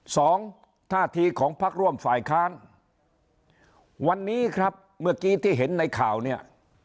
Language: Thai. สองท่าทีของพักร่วมฝ่ายค้านวันนี้ครับเมื่อกี้ที่เห็นในข่าวเนี่ย